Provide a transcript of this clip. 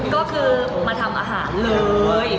ก็คือมาทำอาหารเลย